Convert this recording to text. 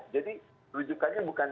jadi rujukannya bukan